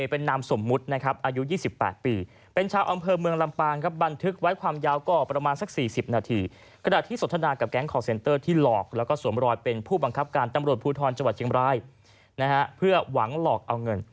เป็นนามสมมุตรนะครับอายุ๒๘ปี